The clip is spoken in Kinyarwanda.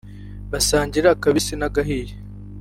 basangiye akabisi n’agahiye